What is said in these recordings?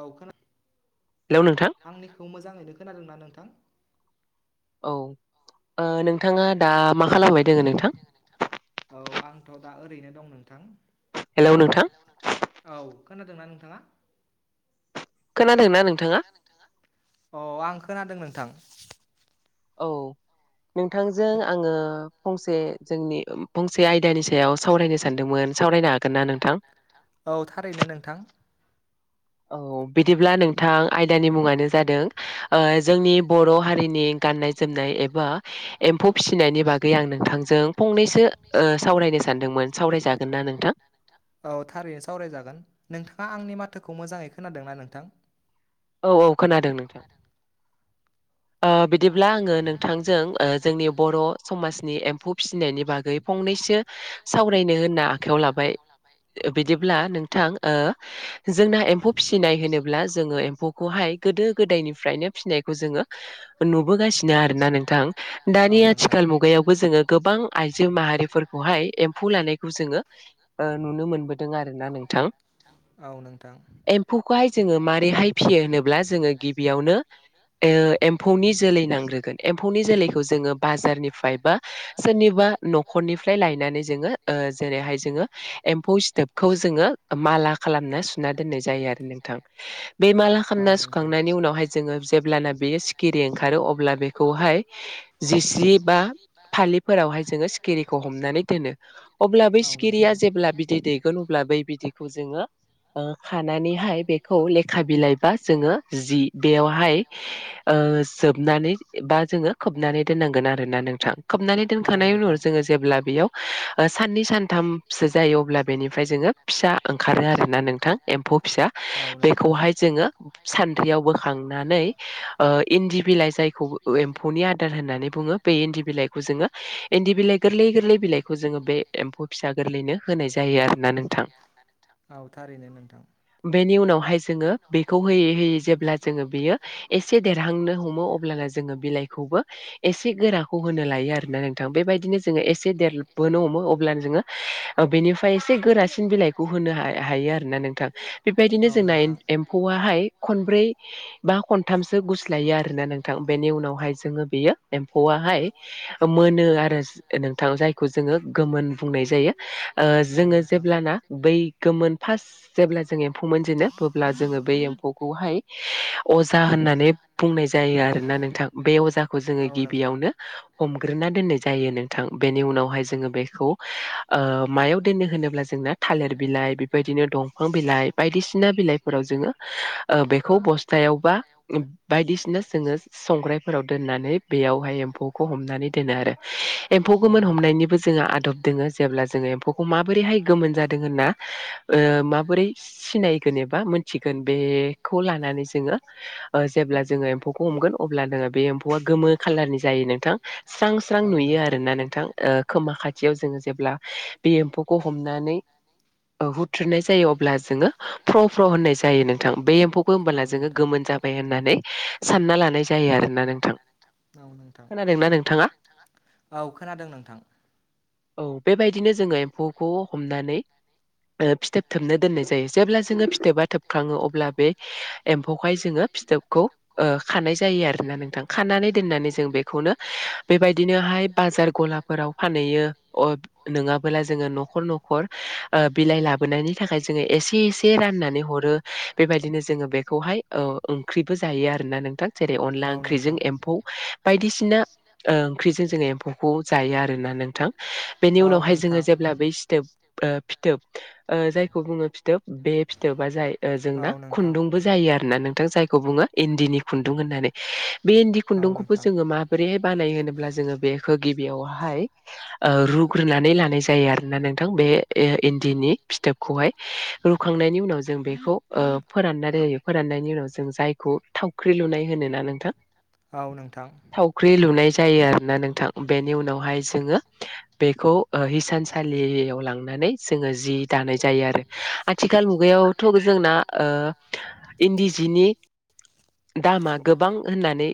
औ खोना हेलौ नोंथां आंनिखौ मोजांङैनो खोनादोंना नोंथां? औ ओ नोंथाङा दा मा खालामबाय दोंङो नोंथां? औ आंथ' दा ओरैनो दं नोंथां हेलौ नोंथां औ खोनादोंना नोंथाङा खोनादोंना नोंथां अ आं खोनादों नोंथां औ नोंथांजों आङो फंसे जोंनि फंसे आयदानि सायाव सावरायनो सानदोंमोन सावरायनो हागोन ना नोंथां औ थारैनो नोंथां औ - औ। बिदिब्ला नोंथां आयदानि मुंङानो जादों जोंनि बर' हारिनि गाननाय जोमनाय एबा एम्फौ फिसिनायनि बागै आं नोंथांजों फंनैसो ओ सावरायनो सानदोंमोन सावराय औ थारैनो सावरायजागोन नोंथां आंनि माथोखौ मोजाङै खोनादों ना नोंथां? औ - औ खोनादों नोंथां। ओ बिदिब्ला आङो नोंथांजों जोंनि बर' समाजनि एम्फौ फिसिनायनि बागै फंनैसो सावरायनो होनना आखाइयाव लाबाय बिदिब्ला नोंथां ओ जोंना एम्फौ फिसिनाय होनोब्ला जोंङो एमफौखौहाय गोदो गोदायनिफ्रायनो फिसिनायखौ जोंङो नुबोगासिनो आरोना नोंथां दा औ दानि नोंथां। आथिखाल मुगायावबो जोंङो गोबां आइजो माहारिफोरखौहाय एम्फौ लानाय खौ जोंङो नुनो मोनबोदों आरोना नोंथां। औ नोंथां एम्फौखौहाय जोंङो माबारैहाय फियो होनोब्ला जोंङो गिबियावनो एओ एम्फौनि जोलै नांग्रोगोन, एम्फौनि जोलैखौ जोङो बाजारनिफ्राय बा सोरनिबा न'खरनिफ्राय लायनानै जोङो ओ जेरैहाय जोङो एम्फौ सिथोबखौ जोङो माला खालामना सुना दोननाय जायो आरो नों थां [unintelligible] बे माला औ खालामना नोंथां। सुखांनायनि उनावहाय जोङो जेब्लाना बेयो सिखिरि ओंखारो अब्ला बेखौहाय जिस्रि बा फालिफोरावहाय जोङो सिखिरिखौ हमनानै दोनो अब्ला बै औ नोंथां। सिखिरिया जेब्ला बिदै दैगोन अब्ला बै बिदैखौ जोङो ओ खानानैहाय बेखौ ले खा बिलाइ बा जोङो जि बेयावहाय ओ जोबनानै बा जोङो खोबनानै दोननांगोन आरोना नोंथां। खोबनानै औ दोनखानाय उनाव नोंथां। जोङो जेब्ला बेयाव ओ साननै साननै सानथामसो जायो अब्ला बेनिफ्राय जोङो फिसा ओंखारो आरोना नोंथां एम्फौ फिसा औ नोंथां बेखौहाय जोङो सान्द्रियाव बोखांनानै ओ इन्दि बिलाइ जायखौ एम फौनि आदार होननानै बुङो बे इन्दि बिलाइखौ जोङो इन्दि बिलाइ गोरलै गोरलै बिलाइखौ जोङो बे एम्फौ फिसा गोरलैनो होनाय जायो आरोना नोंथां। औ थारैनो नोंथां। बेनि उनावहाय जोङो बेखौ होयै-होयै जेब्ला जोङो बियो एसे देरहांनो हमो अब्ला जोङो बिलाइखौ बो एसे गोराखौ होनो लायो आरोना नोंथां। बेबायदिनो जोङो एसे देरबोनो हमो अ ब्लानो जोङो बेनिफ्राय एसे गोरासिन बिलाइखौ होनो हा-हायो आरोना नोंथां। बेबायदिनो औ जोंना एम्फौआहाय खनब्रै बा खनथामसो गुस्लायो आरोना नोंथां बेनि उनावहाय जोङो बेयो एम्फौहाय मोनो आरो नोंथां जायखौ जोङो गोमोन बुंनाय जायो। ओ औ जोङो नोंथां। जेब्लाना बै गोमोन फार्स्ट जेब्ला जों एम्फौ मोनजेनो अब्ला जोङो बेै एम्फौखौहाय अजा होननानै बुंनाय जायो आरोना नोंथां। बे अजाखौ जोङो गिबियावनो हमग्रोना दोननाय जायो नोंथां, बेनि उनावहाय जोङो बेखौ ओ मायाव दोनो होनोब्ला जोंना थालिर बिलाइ बेबायदिनो दंफां बिलाइ बाय दिसिना बिलाइफोराव जोङो ओ बेखौ बस्तायाव बा बायदिसिना जोङो संराइावफोराव दोननानै बेयावहाय एम्फौखौ हमनानै दोनो आरो, एम्फौ गोमोन हमनायनिबो जोंहा आदब दोङो जेब्ला जोङो एम्फौखौ माबोरैहाय गोमोन जादों होनना स्रां ओ माबोरै सि-सिनाय जेनेबा मिथिगोन बेखौ लानानै जोङो ओ जेब्ला जोङो एम्फौखौ हमगोन अब्लानो बे एम्फौआ गोमो खाालारनि जायो नोंथां, स्रां-स्रां नुयो आरोना नोंथां, ओ खोमा खाथियाव जोङो जेब्ला बे फ्र एम्फौखौ हमनानै हुथ्रुनाय जायो अब्ला जोङो फ्र-फ्र होननाय जायो नोंथां। बे एम्फौखौ औ होमबोला जोङो नोंथां गोमोन जाबाय होननानै सानना लानाय जायो आरो नोंथां। औ नोंथां खोनादोंना नोंथाङा? औ नोंथां। औ, बेबायदिनो जोङो एम्फौखौ हमनानै ओ फिथोब थोबनो दोननाय जायो। जेब्ला जों फिथोबा थोबखाङो अब्ला बे एम्फौहाय जोङो फिथोबखौ ओ खानाय जायो आरोना नों थां। खानानै दोननानै जों बेखौनो बेबायदिनोहाय बाजार गलाफोराव फानहैयो नङाबोला जोङो न'खर-न'खर ओ बिलाइ लाबोनायनि थाखाय जोङो एसे एसे रानानै होरो। बेबायदिनो जोङो बेखौहाय ओ ओंख्रिबो जायो आरोना नोंथां जेरै अनला ओंख्रिजों एम्फौ, बायदिसिना ओ ओंख्रिजों जोङो एम्फौखौ जायो आरोना नोंथां। बेनि अनला उनावहाय जोङो जेब्ला बै सिथोब ओ फिथोब ओ जायखौ बुङो फिथोब बे फिथोबा जाय ओ जोंना औ नोंथां खुन्दुंबो जायो आरोना नों थां जायखौ बुङो इन्दिनि खुन्दुं होननानै। बे इन्दि औ खुन्दुंखौबो नोंथां जोङो माबोरैहाय बानाय होनोब्ला जोङो बेखौ गि बेयावहाय ओ रुग्रोनानै लानाय जायो आरोना नोंथां बे ए इन्दिनि फिथोबखौहाय बेनि उनाव जों बेखौ फोराननानै जायो। फोराननायनि उनाव जों जायखौ थावख्रि लुनाय होनोना नोंथां। औ नोंथां थावख्रि लुनाय जायो आरोना नोंथां बेनि उनावहाय जोङो बेखौ हिसानसालियाव लांनानै जोङो जि दानाय जायो आरो। आथिखाल मुगायावथ' जोंना ओ इन्दि जिनि दामा गोबां होननानै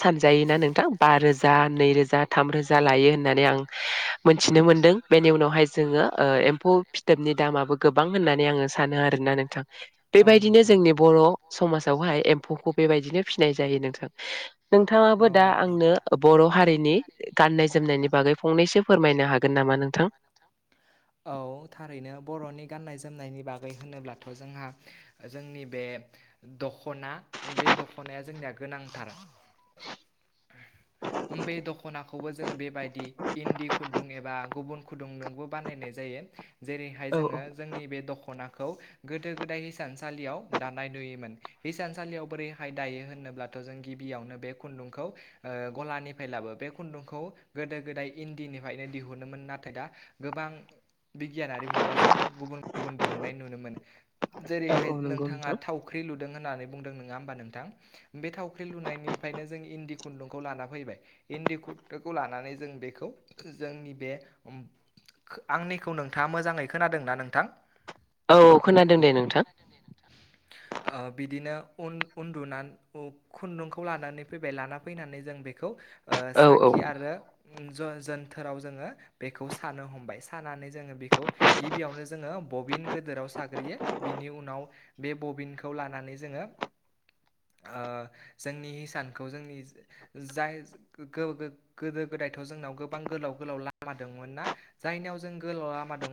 सानजायोना नोंथां बा रोजा नै रोजा थाम रोजा लायो होननानै आं मिथिनो मोनदों बेनि उनावहाय जोङो एम्फौ फिथोबनि दाम गोबां होननानै आ सानो आरोना नोंथां औ बेबायदिनो नोंथां जोंनि बर' समाजावहाय एम्फौखौ बेबायदिनो फिसिनाय नों नोंथाङाबो औ दा नोंथां आंनो बर' हारिनि गाननाय जोमनायनि बागै फं फंनैसो फोरमायनो हागोन नामा नोंथां औ थारैनो बर'नि गाननाय जोमनायनि बागै होनोब्लाथ' जोंहा जोंनि बे दख'ना बे दख'नाया जोंनिया गोनांथार बे दख'नाखौबो जोङो बेबायदि इन्दि खुदुं एबा गुबुन खुदुं नोंबो बानायनाय जायो जेरैहाय औ जोङो जोंनि बे दख'ना खौ गोदो गोदाय हिसानसालियाव दानाय नुयोमोन हिसानसालियाव बोरैहाय दायो होनोब्ला जों गिबियावनो बे खुन्दुंखौ गलानिफ्राय लाबो बे खुन्दुंखौ गोदो गोदाय इदिनि निफ्रायनो दिहुनोमोन नाथाय दा गोबां बिगियानारि मुं माबाजों गुबुन गुबुन दिहुननाय नुनो मोन औ जेरैहाय औ नंगौ नोंथाङा नोंथां थावख्रि लुदों होननानै बुंदों नङा होमबा नोंथ बे थावख्रि लुनायनिफ्रायनो जों इन्दि खुन्दुंखौ लाना फैबाय इन्दि खुन्दुंखौ लानानै जों बे जोंनि बे आंनिखौ नोंथाङा मोजाङै खोनादों न नोंथां औ खोनादों दे नोंथां ओ बिदिनो उन उन्दुनानै खुन्दुंखौ लानानै फैबाय लाना फैनानै जों बेखौ ओ औ औ साखि आरो ज जोन बोथोराव जोङो बेखौ सानो हमबाय सानानै जोङो बेखौ गिबियावनो जोङो बबिन गोदोराव साग्रोयो बिनि उनाव बे बबिनखौ लानानै जोङो [inaudible] जोंनि हिसानखौ जोंनि जाय गो-गो- गोदो थ' जोंनाव गोबां गोलाव गोलाव लामा दंमोन ना जायनिाव जों गोलाव लामा द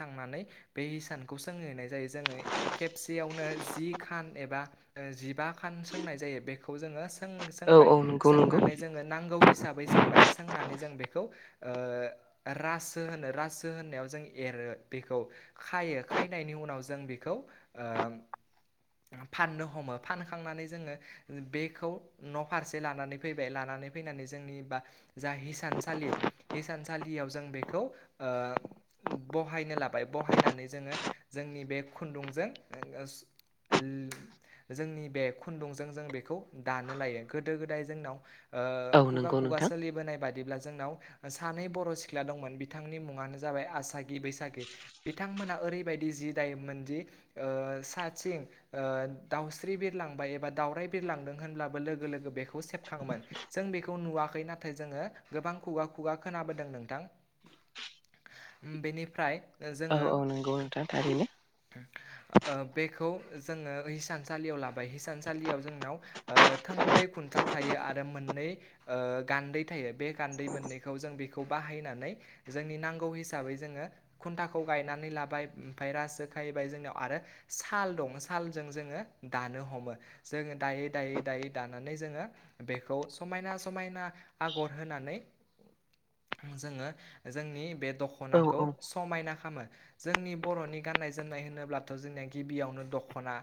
थांनानै बे हसानखौ सोंनाय जायो जोङो खेबसेयावनो जि ख एब बा जिबा खान सोंनाय जायो बेखौ जोङो औ सोंबाय औ नंगौ नंगौ सोंनानै जोङो नांगौ हिसाबै हिसाबै सोंबाय सोंनानै जों बेखौ राजो होनो राजो होननायाव जों एरो बेखौ खायो खायनायनि उनाव जों बेखौ फाननो हमो फानखांनानै जोङो बेखौ न' फारसे लानानै फैबाय लानानै फैनानै जोंनि बा जा हिसानसालि हिसानसालियाव जों बेखौ बहायनो लाबाय बहायनानै जोङो जोंनि बे खुन्दुंजों [inaudible] जोंनि बे खुन्दुंजों जों बेखौ दानो लायो गोदो गोदाय जोंनाव औ ओ खुगा नंगौ खुगा नोंथां सोलिबोनाय बादि जोंनाव सानै बर' सिख्ला दंमोन बिथांनि मुङानो जाबाय आसागि बैसागि बिथां बिथांमोना ओरैबायदि जि दायोमोनदि ओ सा ओ साथिं दाउस्रि बिरलांबाय एबा दाावरराय बिरलांदों होनब्लाबो लोगो लोगो बेखौ सेबखाङोमोन जों बेखौ नुवाखै नाथाय जोङो गोबां खुगा खुगा खोनाबोदों नोंथां बेनिफ्राय औ जोङो औ नंगौ नोंथा थारैनो ओ बेखौ जोङो हिसानसालियाव लाबाय हिसानसालियाव जोंनाव थोंब्रै खुन्था थायो मोननै गान्दै थायो बे गान्दै मोननैखौ जों बेखौ बाहायनानै जोंनि नांगौ हिसाबै जोङो खुन्थाखौ गायनानै लाबाय ओमफ्राय रो खाहैबाय जोंनियाव आरो साल दं सालजों जोङो दानो हमो जोङो दायै दायै दायै दानानै जोङो बेखौ समायना समायना आगर होनानै जोङो जोंनि बे औ दख'नाखौ औ समायना खालामो जोंनि बर'नि गाननाय जोमनाय होनोब्लाथ' जोंनि गिबियावनो दखना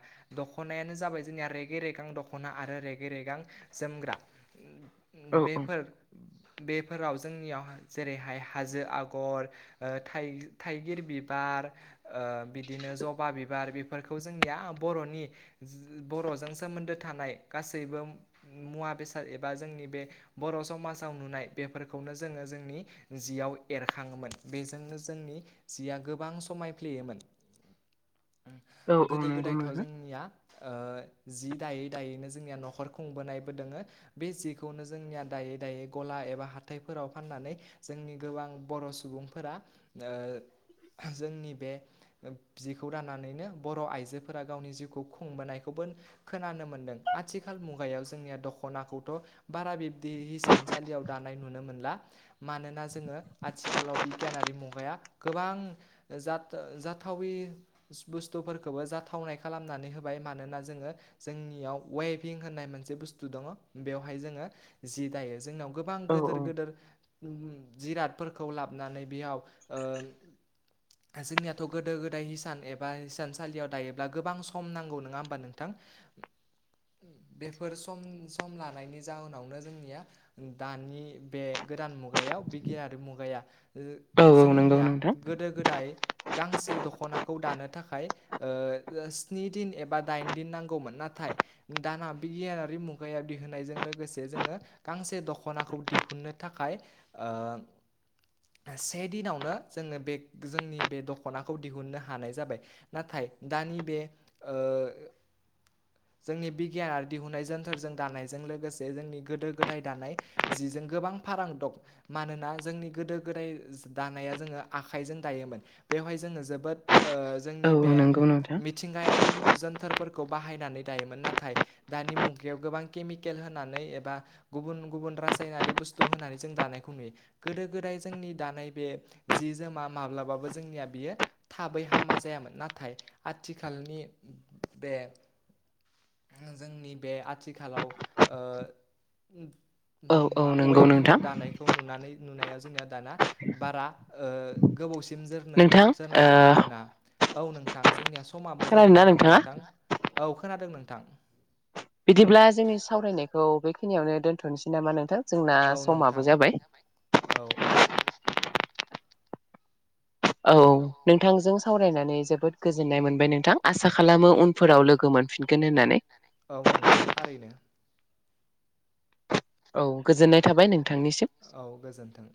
दखनायानो जाबाय जोंनिया रेगे- रेगां दखना आरो रेगे- रेगां जो मग्रा ओम- ओम औ औ बेफोर बेफोराव जोंनियाव जेरैहाय हाजो आगर ओ थाइगि-थाइगिर बिबार ओ बिदिनो जबा बिबार फोरखौ जोंनिया बरनि बरजों सोमोन्दो थानाय गासैबो मुवा बेसाद एबा जोंनि बे बर' समाजाव नुनाय बेफोरखौनो जोङो जोंनि जियाव एर खाङोमोन बेजोंनो जोंनि जिया गोबां समायफ्लेयोमोन औ औ गोदो नंगौ गोदायथ नोंथां जोंनिया ओ जि दायै दायैनो जोंनिया नखर खुंबोनायबो दोङो बे जिखौनो जोंनिया दायै दायै गला एबा हाथाइफोराव फाननानै जोंनि गोबां बर सुबुंफोरा जोंनि बे जिखौ राननानैनो बर' आइजोफोरा गावनि जिउखौ खुंबोनायखौबो खोनानो मोन्दों आथिखाल मुगायाव जोंनिया दख दखनाखौथ' बारा बिब्दि हिसानसालियाव दानाय नुनो मोनला मानोना जोङो आ आथिखालाव बिगियानारि मुगाया गोबां जाथा जाथावै बुस थुफोरखौबो जाथावनाय खालामनानै होबाय मानोना जोङो जोंनियाव वेभिं होननाय मोनसे बुस्थु दङ बेयावहाय जोङो जि दायो जोंनाव गोबां औ गोदोर औ गोदोर जिरादफोरखौ लाबनानै बेयाव ओ जोंनियाथ गोदो- गोदाय हिसान एबा हि सानसालियाव दायोब्ला गोबां सम नांगौ नङा होमबा नोंथां बेफोर सम- सम लानायनि जाहोनावनो जोंनिया दानि बे गोदान मुगायाव बिगियारि मुगाया औ औ नंगौ जोंनिया नोंथां गोदो- गोदाय गांसे दखनाखौ दानो थाखाय ओ स्नि दिन एबा दाइन दिन नांगौमोन नाथाय दाना बिगियानारि मुगाया दिहुननायजों लोगोसे जोङो गांसे दखनाखौ दिहुननो थाखाय ओ से दिनावनो जोनो बे जोंनि बे दखनाखौ दिहुननो हानाय जाबाय नाथाय दानि बे ओ जोंनि बिगियान आरो दिहुनाय जोनथोरजों दानायजों लोगोसे जोंनि गोदो गोदाय दानाय जिजों गोबां फारां दं मानोना जोंनि गोदो- गोदाय दानाया जोङो आखाइजों दायोमोन बेवहाय जों जोङो जोबोद ओ औ जोंनि औ बे नंगौ नोंथां मिथिंगायारि जोनथार बाहायनानै दायोमोन नाथाय दानि मुगायाव गोबां केमिकेल होनानै एबा गुबुन गुबुन रासायनारि बुस्तु होनानै जों दानायखौ नुयो गोदो - गोदाय जोंनि दानाय बे जि जोमा माब ब्लाबो जोंनिया बियो थाबै हामा जायामोन ना नाथाय आथिखालनि बे जोंनि बे आथिखालाव ओ औ औ मा नंगौ वेभिंवाव नोंथां दानायखौ नुनानै नुनाया जोंनिया दाना बारा ओ गोबावसि सिम नोंथां ओ जोरनो-जोरनायखौ नुनो मोना औ नोंथां जोंनिया समाबो जाबाय खोनादोंना नङा होमबा नोंथाङा नोंथां औ खोनादों नोंथां बिदिब्ला जोंनि सावरायनायखौ बेखिनियावनो दोन्थनोसै नामा नोंथां जोंना औ समाबो नोंथां जाबाय औ - औ औ नोंथांजों सावरायनानै जोबोद गोजोननाय मोनबाय नोंथां आसा खालामो उनफोराव लोगो मोन मोनफिनगोन होननानै औ नोंथां थारैनो औ गोजोननाय थाबाय नोंथांनिसिम औ गोजोन्थों